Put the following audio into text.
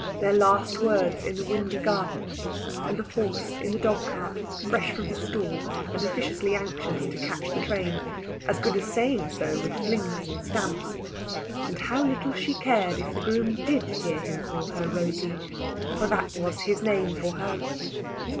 their last words in the windy garden, and the horse in the dog cart, fresh from his stall, and officiously anxious to catch the train as good as saying so, with flings and stamps. And how little she cared if the groom did hear him call her Rosey, for that was his name for her.